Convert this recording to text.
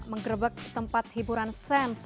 menggerbek tempat hiburan sens